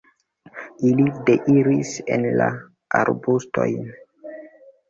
Ili deiris en arbustojn.